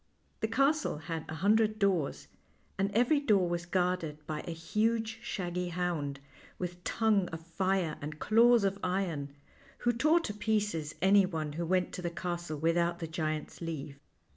The castle had a hundred doors, and every door was guarded by a huge, shaggy hound, with tongue of fire and claws of iron, who tore to pieces anyone who went to the castle without the giant's leave.